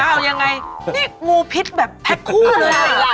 อ้าวยังไงนี่มูพิษแบบแพทย์คู่เลย